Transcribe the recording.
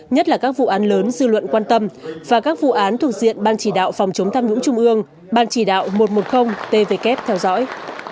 nhất là các vụ án lớn dư luận quan tâm và các vụ án thuộc diện ban chỉ đạo phòng chống tham nhũng trung ương ban chỉ đạo một trăm một mươi tvk theo dõi